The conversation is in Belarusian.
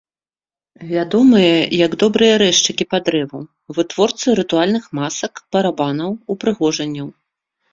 Вядомыя як добрыя рэзчыкі па дрэву, вытворцы рытуальных масак, барабанаў, упрыгожанняў.